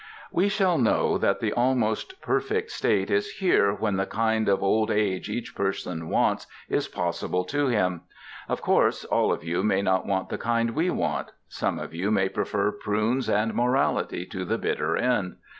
We shall know that the Almost Perfect State is here when the kind of old age each person wants is possible to him. Of course, all of you may not want the kind we want ... some of you may prefer prunes and morality to the bitter end.